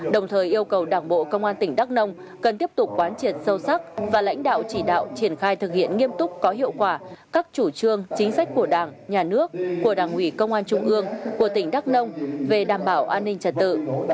đồng thời yêu cầu đảng bộ công an tỉnh đắk nông cần tiếp tục quán triệt sâu sắc và lãnh đạo chỉ đạo triển khai thực hiện nghiêm túc có hiệu quả các chủ trương chính sách của đảng nhà nước của đảng ủy công an trung ương của tỉnh đắk nông về đảm bảo an ninh trật tự